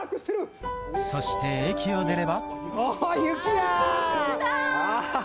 そして駅を出れば。